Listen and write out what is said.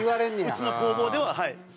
うちの工房でははい。